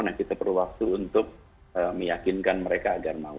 nah kita perlu waktu untuk meyakinkan mereka agar mau